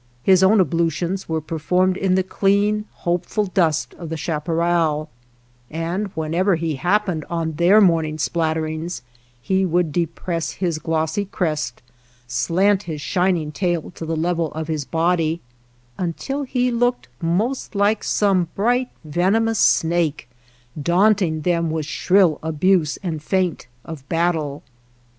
His own ablutions were performed in the clean, hopeful dust of the chaparral ; and whenever he hap pened on their morning splatterings, he would depress his glossy crest, slant his shining tail to the level of his body, until he looked most like some bright venomous snake, daunting them with shrill abuse and feint of battle.